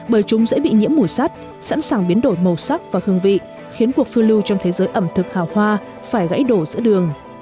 bởi chúng dễ bị nhiễm mùi sắt sẵn sàng biến đổi màu sắc và hương vị khiến cuộc phư lưu trong thế giới ẩm thực hào hoa phải gãy đổ giữa đường